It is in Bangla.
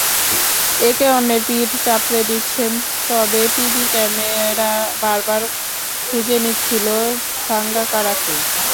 একে অন্যের পিঠ চাপড়ে দিচ্ছেন, তবে টিভি ক্যামেরা বারবার খুঁজে নিচ্ছিল সাঙ্গাকারাকে।